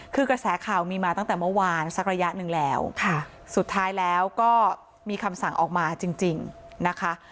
คือกระแสข่าวมีมาตั้งแต่เมื่อวานสักระยะหนึ่งแล้วสุดท้ายแล้วก็มีคำสั่งออกมาจริงนะคะ